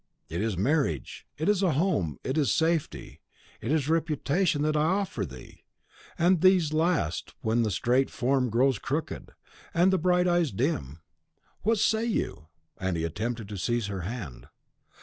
It is marriage, it is a home, it is safety, it is reputation, that I offer to thee; and these last when the straight form grows crooked, and the bright eyes dim. What say you?" and he attempted to seize her hand.